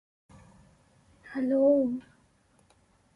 The segments were scripted by Superman co-creator Jerry Siegel.